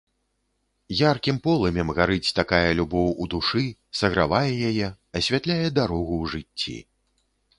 Яркім полымем гарыць такая любоў у душы, сагравае яе, асвятляе дарогу ў жыцці.